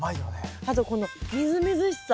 あとこのみずみずしさ。